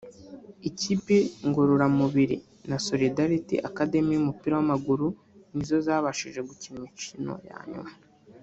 ikipi ngororamubiri na Solidarity Academy y’umupira w’amaguru ni zo zabashije gukina imikino ya nyuma